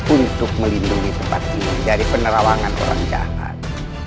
untuk melindungi tempat ini dari penerawangan orang jahat